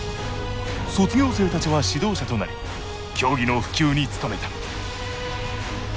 卒業生たちは指導者となり競技の普及に努めた。